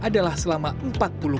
adalah selama empat jam